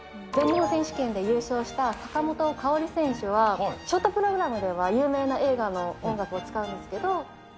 全日本選手権で優勝した坂本花織選手は、ショートプログラムでは有名な映画の音楽を使うんですけど。